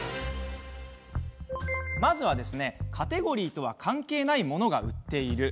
まずは、カテゴリーとは関係ないものが売っている。